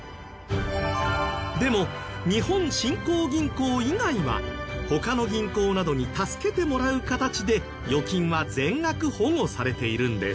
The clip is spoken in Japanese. でも日本振興銀行以外は他の銀行などに助けてもらう形で預金は全額保護されているんです。